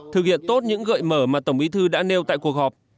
thực hiện tốt những gợi mở mà tổng bí thư đã nêu tại cuộc họp